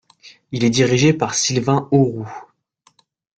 Il est dirigé par Sylvain Auroux.